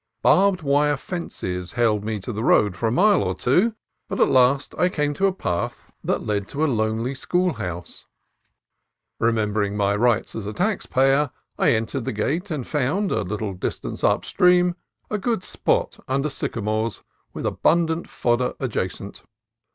Barbed wire fences held me to the road for a mile or two, but at last I came to a path 94 CALIFORNIA COAST TRAILS that led to a lonely school house. Remembering my rights as a taxpayer I entered the gate and found, a little distance upstream, a good spot under syca mores, with abundant fodder adjacent.